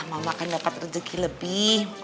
mama makan dapat rezeki lebih